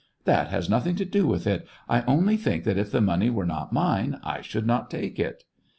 "That has nothing to do with it ; I only think that if the money were not mine, I should not take it."